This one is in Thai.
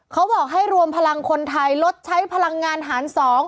เขาบอกให้รวมพลังคนไทยลดใช้พลังงานหาร๒